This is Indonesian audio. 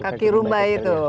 kaki rumbai itu